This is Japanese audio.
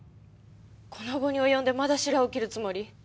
この期に及んでまだ白を切るつもり？